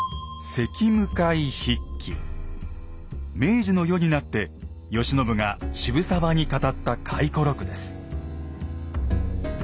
明治の世になって慶喜が渋沢に語った回顧録です。